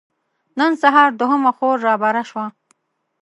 نن سهار دوهمه خور رابره شوه.